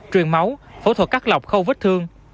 truyền máu phẫu thuật cắt lọc khâu vết thương